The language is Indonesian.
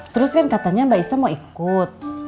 terus kan katanya mbak isa mau ikut